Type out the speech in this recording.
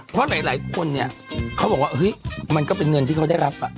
เพราะหลายคนเนี่ยเขาบอกว่าเฮ้ยมันก็เป็นเงินที่เขาได้รับ